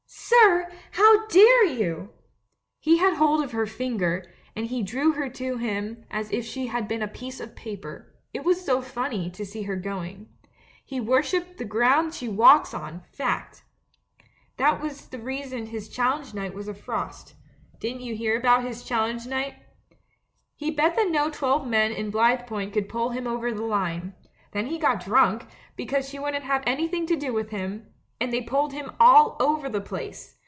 "Sir, how dare you?" He had hold of her finger, and he drew her to him as if she had been a piece of paper — it was so funny, to see her going. He worships the ground she walks on, fact! That was the reason his challenge night was a frost — didn't you hear about his challenge night? He bet that no twelve men in Blithepoint could pull him over the line. Then he got drunk, because she wouldn't have anything to do with him — and they pulled him all over the place.